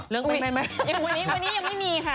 วันนี้ยังไม่มีค่ะ